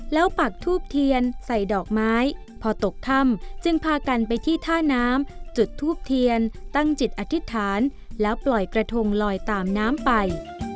แล้วปักทูบเทียนใส่ดอกไม้พอตกค่ำจึงพากันไปที่ท่าน้ำจุดทูบเทียนตั้งจิตอธิษฐานแล้วปล่อยกระทงลอยตามน้ำไป